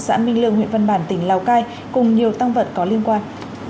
xã minh lương huyện văn bản tỉnh lào cai cùng nhiều tăng vật có liên quan